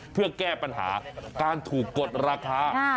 เพื่อแก้ปัญหาการถูกกดราคา